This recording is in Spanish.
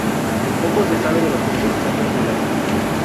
Poco se sabe de los primeros años del artista.